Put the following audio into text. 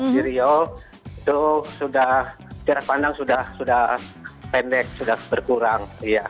di riau jarak pandang sudah pendek sudah berkurang